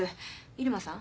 入間さん